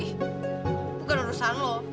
ih bukan urusan lo